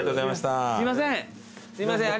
すいません。